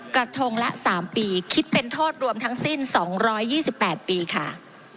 กระทงละสามปีคิดเป็นโทษรวมทั้งสิ้นสองร้อยยี่สิบแปดปีค่ะ